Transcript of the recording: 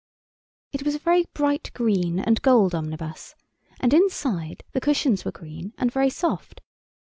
It was a very bright green and gold omnibus, and inside the cushions were green and very soft.